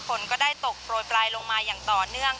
ฝนก็ได้ตกโปรยปลายลงมาอย่างต่อเนื่อง